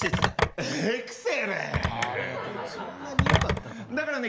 そんなによかったかな？